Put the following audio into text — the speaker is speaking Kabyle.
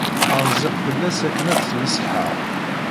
Rziɣ fell-as akken ad tt-neṣḥeɣ.